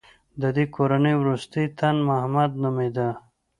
د دې کورنۍ وروستی تن محمد نومېده.